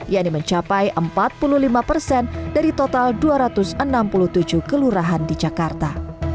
yang mencapai empat puluh lima persen dari total dua ratus enam puluh tujuh kelurahan di jakarta